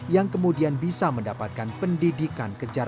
yang kemudian bisa mendapatkan pendidikan kejaran